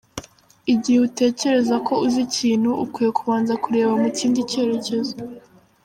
Igihe utekereza ko uzi ikintu, ukwiye kubanza kureba mu kindi cyerekezo.